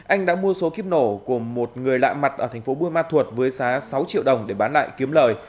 anh đã mua số kiếp nổ của một người lạ mặt ở thành phố bui ma thuột với xá sáu triệu đồng để bán lại kiếm lời